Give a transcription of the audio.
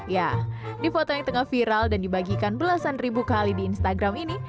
ya di foto yang tengah viral dan dibagikan belasan ribu kali di instagram ini